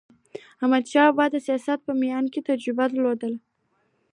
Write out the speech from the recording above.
احمدشاه بابا د سیاست په میدان کې تجربه درلوده.